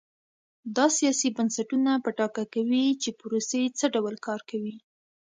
دا سیاسي بنسټونه په ډاګه کوي چې پروسې څه ډول کار کوي.